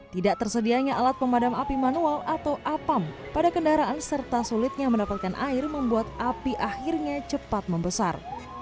tidak tersedianya alat pemadam api manual atau apam pada kendaraan serta sulitnya mendapatkan air membuat api akhirnya cepat membesar